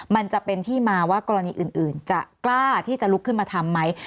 มันจะเป็นที่มาว่ากรณีอื่นจะกล้าที่จะลุกขึ้นมาทำไหม